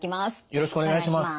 よろしくお願いします。